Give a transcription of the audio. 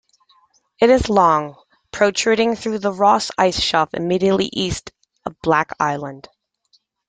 It is long, protruding through the Ross Ice Shelf immediately east of Black Island.